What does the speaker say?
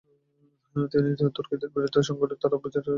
তিনি তুর্কীদের বিরুদ্ধে সংগঠিত আরব বিদ্রোহের অন্যতম নেতায় পরিণত হন।